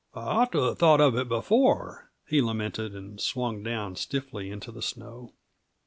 "I ought to have thought of it before," he lamented, and swung down stiffly into the snow.